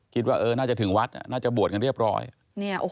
คิดว่าเออน่าจะถึงวัดน่าจะบวชกันเรียบร้อย